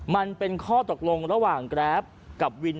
มันเป็นข้อตกลงระหว่างแกรฟกับวิน